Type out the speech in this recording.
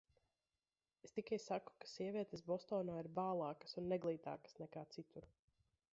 Es tikai saku, ka sievietes Bostonā ir bālākas un neglītākas nekā citur.